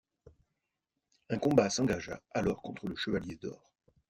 Un combat s'engagea alors contre le chevalier d'or.